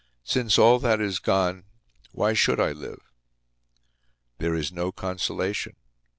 Since all that is gone, why should I live? There is no consolation.